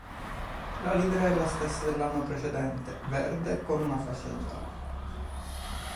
La livrea è la stessa dell'anno precedente: verde con una fascia gialla.